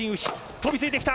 飛びついてきた。